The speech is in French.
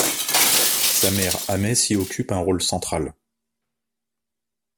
Sa mère Ahmès y occupe un rôle central.